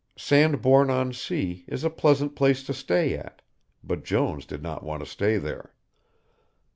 Sandbourne on Sea is a pleasant place to stay at, but Jones did not want to stay there.